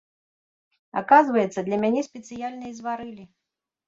Аказваецца, для мяне спецыяльна і зварылі.